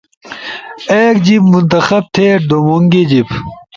ایک جیِب منتخب تھے، دُومونگی جیِب